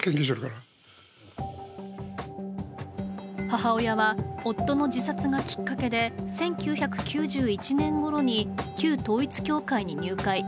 母親は夫の自殺がきっかけで１９９１年ごろに旧統一教会に入会。